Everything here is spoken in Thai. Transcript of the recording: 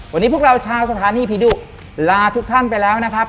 วันนี้พวกเราชาวสถานีผีดุลาทุกท่านไปแล้วนะครับ